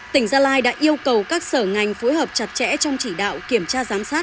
tỉnh gia lai đã yêu cầu các sở ngành phối hợp chặt chẽ trong chỉ đạo kiểm tra giám sát